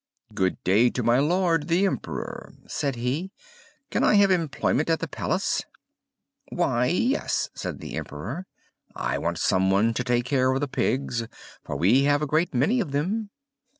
"Good day to my lord, the Emperor!" said he. "Can I have employment at the palace?" "Why, yes," said the Emperor. "I want some one to take care of the pigs, for we have a great many of them."